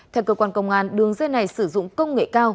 theo cơ quan công an đường dây này sử dụng công nghệ cao